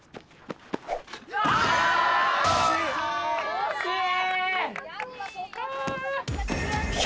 惜しい。